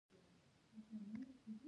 قلم د صادقو خلکو زور دی